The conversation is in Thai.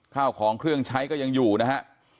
ข้าวของเครื่องใช้ก็ยังอยู่นะฮะ